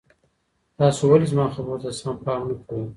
تاسو ولي زما خبرو ته سم پام نه کوئ؟